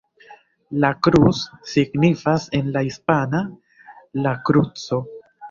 La Cruz signifas en la hispana "La Kruco".